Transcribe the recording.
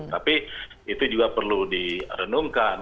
tapi itu juga perlu direnungkan